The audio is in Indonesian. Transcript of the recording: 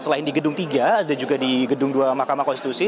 selain di gedung tiga ada juga di gedung dua mahkamah konstitusi